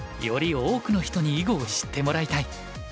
「より多くの人に囲碁を知ってもらいたい」。